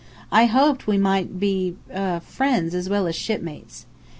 I hoped we might be er friends as well as shipmates.